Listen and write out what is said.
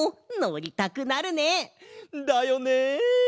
だよね。